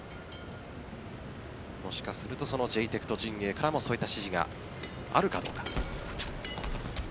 もしかするとジェイテクト陣営からもそういった指示があるかどうか。